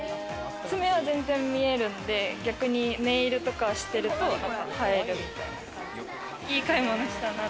爪は全然見えるんで、逆にネイルとかしてると映えるみたいな。